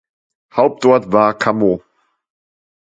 Hauptort war Carmaux.